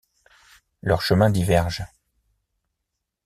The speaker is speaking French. Leurs chemins divergent.